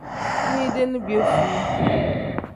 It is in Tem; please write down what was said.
Kinide ni piyefuu.